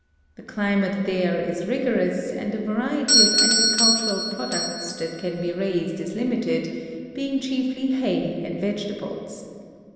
The climate there is rigorous, and the variety of agricultural products that can be raised is limited, being chiefly hay and vegetables.